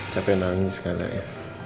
capek nangis gak enggak ya